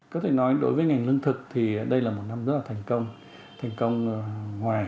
có thể nói đối với ngành lương thực thì đây là một năm rất là thành công thành công ngoài